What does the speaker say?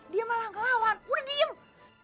dia malah ngelawan udah diem